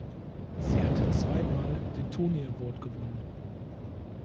Sie hat zweimal den Tony Award gewonnen.